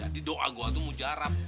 jadi doa gua itu mujaraf